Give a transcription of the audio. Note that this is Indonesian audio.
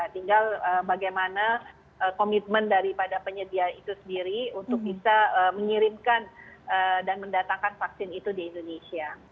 tinggal bagaimana komitmen daripada penyedia itu sendiri untuk bisa mengirimkan dan mendatangkan vaksin itu di indonesia